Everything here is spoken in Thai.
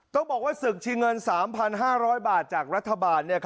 ต้องบอกว่าศึกชิงเงิน๓๕๐๐บาทจากรัฐบาล